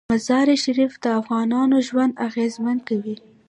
مزارشریف د افغانانو ژوند اغېزمن کوي.